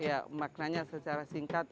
ya maknanya secara singkat